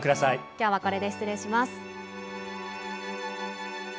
「今日はこれで失礼します」。